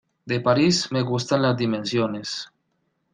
De París, me gustan las dimensiones.